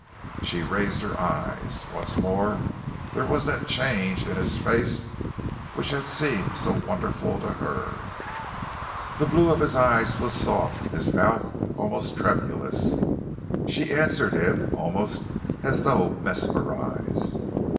She raised her eyes. Once more there was that change in his face which had seemed so wonderful to her. The blue of his eyes was soft, his mouth almost tremulous. She answered him almost as though mesmerised.